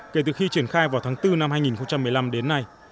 kể từ khi triển khai vào tháng bốn năm hai nghìn một mươi năm đến nay